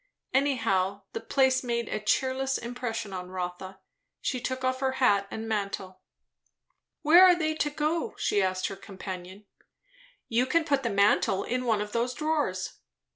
Anyhow, the place made a cheerless impression on Rotha. She took off her hat and mantle. "Where are they to go?" she asked her companion. "You can put the mantle in one of those drawers."